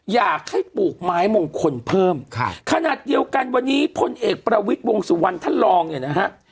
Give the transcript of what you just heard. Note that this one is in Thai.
อยากให้ปลูกไม้มงคลเพิ่มค่ะขนาดเดียวกันวันนี้พลเอกประวิทย์วงสุวรรณท่านรองเนี่ยนะฮะ